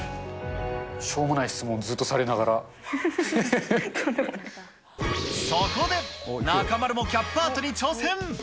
しょうもない質問、ずっとされなそこで、中丸もキャップアートに挑戦。